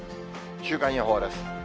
週間予報です。